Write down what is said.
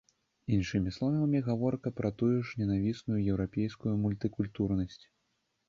Іншымі словамі, гаворка пра тую ж ненавісную еўрапейскую мультыкультурнасць.